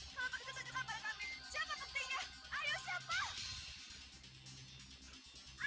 kalau begitu tunjukkan pada kami siapa buktinya ayo siapa